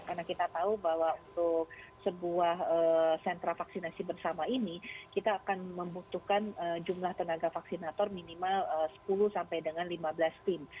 karena kita tahu bahwa untuk sebuah sentra vaksinasi bersama ini kita akan membutuhkan jumlah tenaga vaksinator minimal sepuluh sampai dengan lima belas tim